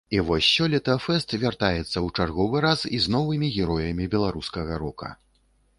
І вось сёлета фэст вяртаецца ў чарговы раз і з новымі героямі беларускага рока.